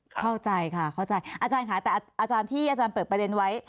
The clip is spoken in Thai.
เข้าใจค่ะอาจารย์ค่ะแต่ที่อาจารย์เปิดประเด็นไว้